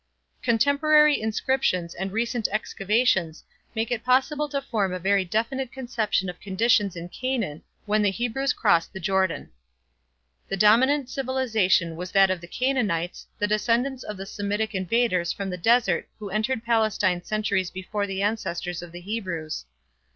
Contemporary inscriptions and recent excavations make it possible to form a very definite conception of conditions in Canaan when the Hebrews crossed the Jordan. The dominant civilization was that of the Canaanites, the descendants of the Semitic invaders from the desert who entered Palestine centuries before the ancestors of the Hebrews.